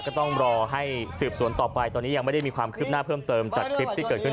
ก็ต้องรอให้สืบสวนต่อไปตอนนี้ยังไม่ได้มีความคืบหน้าเพิ่มเติมจากคลิปที่เกิดขึ้น